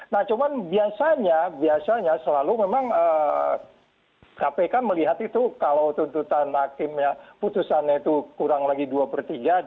nah cuman biasanya biasanya selalu memang kpk melihat itu kalau tuntutan hakim ya putusannya itu kurang lagi dua per tiga